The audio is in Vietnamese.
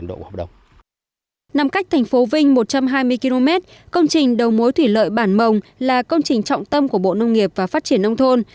nằm cách thành phố vinh một trăm hai mươi km công trình đầu mối thủy lợi bản mồng là công trình trọng tâm của bộ nông nghiệp và phát triển nông thôn